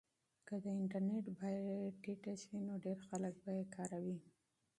که د انټرنیټ بیه ټیټه شي نو ډېر خلک به یې کاروي.